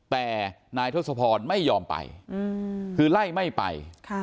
แต่นายทศพรไม่ยอมไปคือไล่ไม่ไป